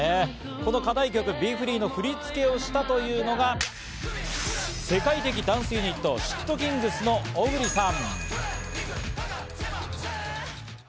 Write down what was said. この課題曲・ＢｅＦｒｅｅの振り付けをしたというのが世界的ダンスユニットｓ＊＊ｔｋｉｎｇｚのＯｇｕｒｉさん。